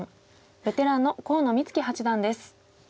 ベテランの河野光樹八段です。